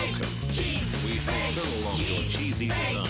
チーズ！